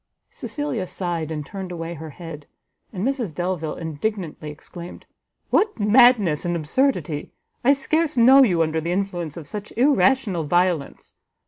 Cecilia sighed, and turned away her head; and Mrs Delvile indignantly exclaimed, "What madness and absurdity! I scarce know you under the influence of such irrational violence.